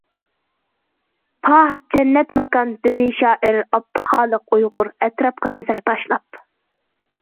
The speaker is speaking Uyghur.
- پاھ، جەننەت ماكان!- دېدى شائىر ئابدۇخالىق ئۇيغۇر ئەتراپقا نەزەر تاشلاپ.